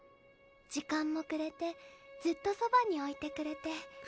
時間もくれてずっとそばに置いてくれて。